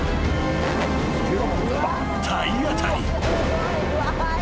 ［体当たり］